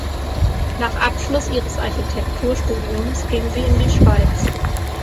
Nach Abschluss ihres Architekturstudiums ging sie in die Schweiz.